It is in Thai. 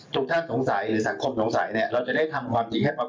ทุกท่านสงสัยหรือสังคมสงสัยเนี่ยเราจะได้ทำความจริงให้ความ